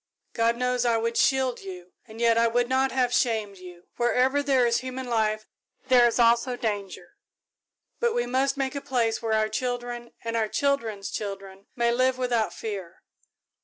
God knows I would shield you, and yet I would not have you shamed. Wherever there is human life, there is also danger, but we must make a place where our children and our children's children may live without fear.